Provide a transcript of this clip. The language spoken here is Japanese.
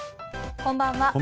こんばんは。